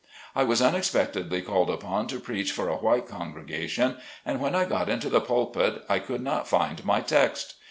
I was unexpectedly called upon to preach for a white congregation, and when I got into the pulpit I could not find my text.